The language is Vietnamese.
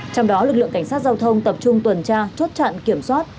trong đó lực lượng cảnh sát giao thông tập trung tuần tra chốt chặn kiểm soát